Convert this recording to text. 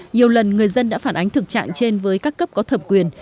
nhiều lần người dân đã phản ánh thực trạng trên với các cấp có thẩm quyền